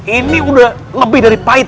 ini udah lebih dari pahit